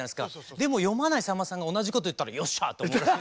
でも読まないさんまさんが同じこと言ったら「よっしゃ！」って思うらしい。